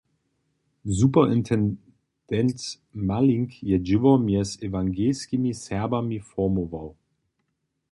Superintendent Malink je dźěło mjez ewangelskimi Serbami formował.